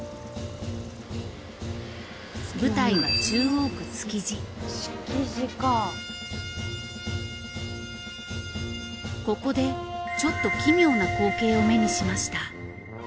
舞台はここでちょっと奇妙な光景を目にしました。